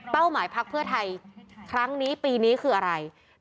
หมายพักเพื่อไทยครั้งนี้ปีนี้คืออะไร